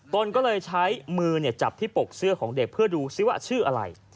ตนก็เลยใช้มือจับที่ปกเสื้อของเด็กเพื่อดูซิว่าชื่ออะไร